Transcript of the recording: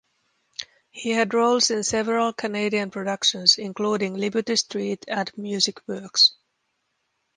He had roles in several Canadian productions, including "Liberty Street" and "Music Works".